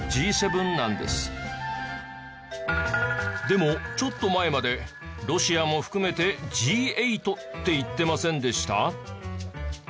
でもちょっと前までロシアも含めてＧ８って言ってませんでした？